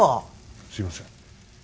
すいません。